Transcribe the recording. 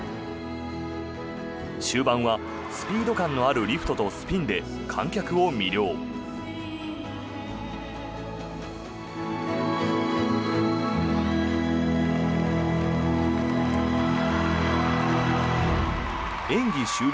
終盤はスピード感のあるリフトとスピンで観客を魅了。